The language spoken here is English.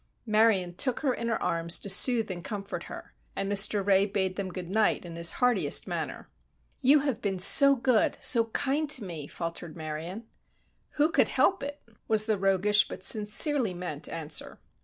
Marion took her in her arms to soothe and comfort her, and Mr. Ray bade them good night in his heartiest manner. "You have been so good, so kind to me," faltered Marion. "Who could help it?" was the roguish but sincerely meant answer.